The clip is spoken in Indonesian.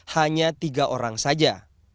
hanya tiga orang saja